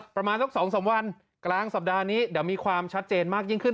ประมาณสัก๒๓วันกลางสัปดาห์นี้เดี๋ยวมีความชัดเจนมากยิ่งขึ้น